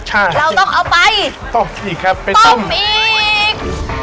ใช่เราต้องเอาไปต้มอีกครับเป็นต้มอีก